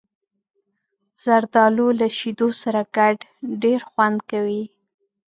زردالو له شیدو سره ګډ ډېر خوند کوي.